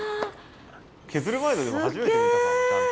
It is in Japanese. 削る前のでも初めて見たかもちゃんと。